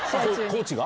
コーチが？